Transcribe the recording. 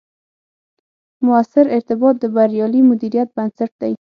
مؤثر ارتباط، د بریالي مدیریت بنسټ دی